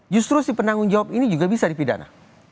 justru si penanggung jawab ini juga bisa dipidana